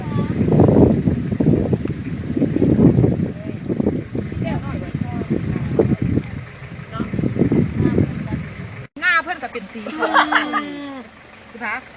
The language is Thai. อีกคู่ได้ว่าใช้ทราบ